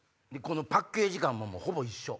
パッケージ感もほぼ一緒。